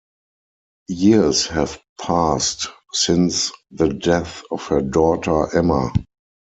Years have passed since the death of her daughter, Emma.